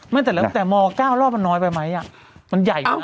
แม้แต่เริ่มแต่ม๙รอบมันน้อยไปมั้ย